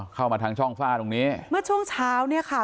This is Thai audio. เข้ามาทางช่องฝ้าตรงนี้เมื่อช่วงเช้าเนี่ยค่ะ